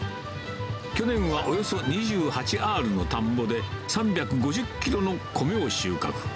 去年はおよそ２８アールの田んぼで、３５０キロの米を収穫。